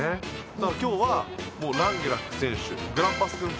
だから今日はもうランゲラック選手グランパスくん